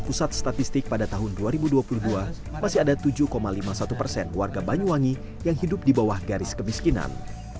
pusat statistik pada tahun dua ribu dua puluh dua masih ada tujuh lima puluh satu persen warga banyuwangi yang hidup di bawah garis kemiskinan